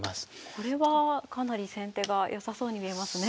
これはかなり先手が良さそうに見えますね。